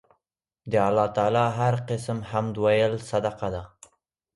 د الله تعالی هر قِسم حمد ويل صدقه ده